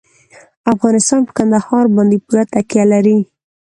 افغانستان په کندهار باندې پوره تکیه لري.